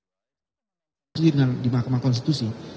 di makema konstitusi dengan di makema konstitusi itu